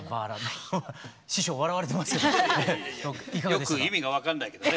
よく意味が分かんないけどね。